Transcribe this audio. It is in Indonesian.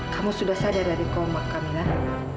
kamu sudah sadar dari komak kamilah